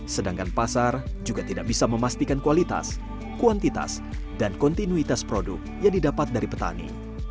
sedangkan pasar juga tidak bisa memastikan kualitas kuantitas dan kontinuitas produk yang didapat dari petani